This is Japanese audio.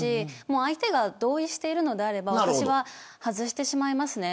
相手が同意しているのであれば私は外してしまいますね。